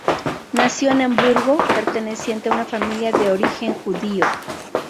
Nació en Hamburgo, perteneciente a una familia de origen judío.